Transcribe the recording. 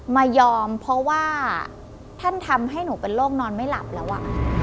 มายอมเพราะว่าท่านทำให้หนูเป็นโรคนอนไม่หลับแล้วอ่ะ